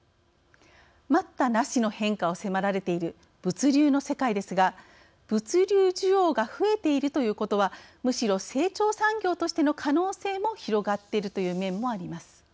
待ったなしの変化を迫られている物流の世界ですが物流需要が増えているということは、むしろ成長産業としての可能性も広がっているという面もあります。